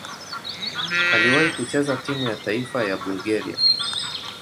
Aliwahi kucheza timu ya taifa ya Bulgaria.